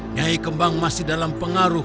nyai kembang masih dalam pengaruh